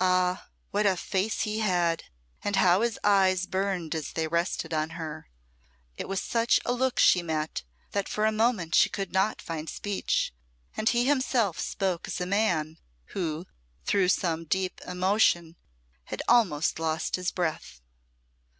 Ah, what a face he had, and how his eyes burned as they rested on her. It was such a look she met, that for a moment she could not find speech, and he himself spoke as a man who, through some deep emotion, has almost lost his breath.